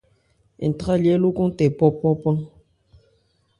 Ntrályɛ́ lókɔn tɛ ńpɔ́-npɔ́ pán.